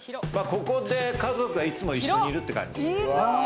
ここで家族がいつも一緒にいるって感じ。